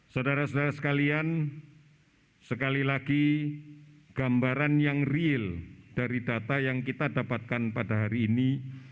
saudara saudara sekalian sekali lagi gambaran yang real dari data yang kita dapatkan pada hari ini